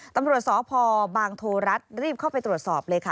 ตำรวจสพบางโทรัฐรีบเข้าไปตรวจสอบเลยค่ะ